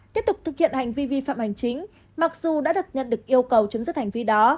tiếp tục thực hiện hành vi vi phạm hành chính mặc dù đã được nhận được yêu cầu chấm dứt hành vi đó